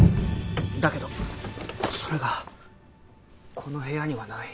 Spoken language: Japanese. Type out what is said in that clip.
だけどそれがこの部屋にはない。